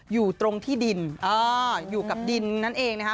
อยู่ตรงที่ดินอยู่กับดินนั่นเองนะคะ